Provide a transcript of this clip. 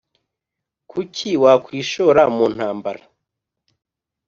Kuki wakwishora mu ntambara.